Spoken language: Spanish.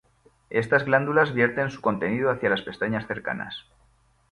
Estas glándulas vierten su contenido hacia las pestañas cercanas.